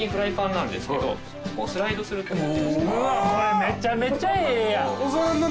うわっこれめちゃめちゃええやん！